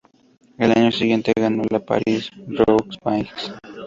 El año siguiente, ganó la Paris-Roubaix.